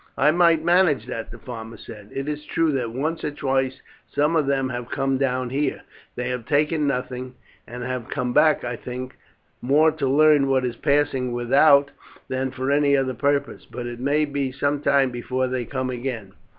"I might manage that," the farmer said. "It is true that once or twice some of them have come down here. They have taken nothing, and have come, I think, more to learn what is passing without than for any other purpose; but it may be some time before they come again."